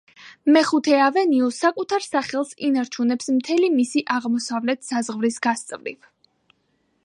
მეხუთე ავენიუ საკუთარ სახელს ინარჩუნებს მთელი მისი აღმოსავლეთ საზღვრის გასწვრივ.